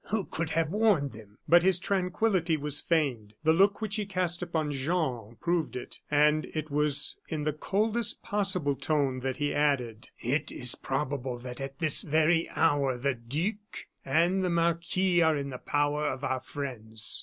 "Who could have warned them?" But his tranquillity was feigned; the look which he cast upon Jean proved it. And it was in the coldest possible tone that he added: "It is probable that at this very hour the duke and the marquis are in the power of our friends."